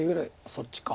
そっちか。